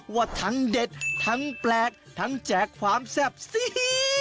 ว่าทั้งเด็ดทั้งแปลกทั้งแจกความแซ่บสิ